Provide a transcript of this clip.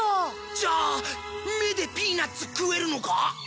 じゃあ目でピーナッツ食えるのか？